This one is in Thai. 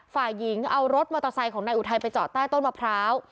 ฝ่ายหญิงเอารถมอเตอร์ไซค์ของนายอุทัยไปจอดใต้ต้นมะพร้าว